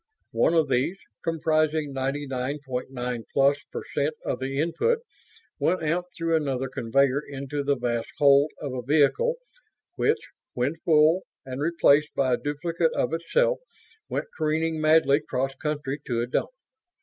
One of these, comprising ninety nine point nine plus percent of the input, went out through another conveyor into the vast hold of a vehicle which, when full and replaced by a duplicate of itself, went careening madly cross country to a dump.